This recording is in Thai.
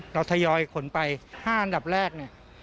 ทยอยขนไป๕อันดับแรกเนี่ย